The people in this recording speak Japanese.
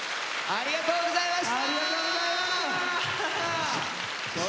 ありがとうございます。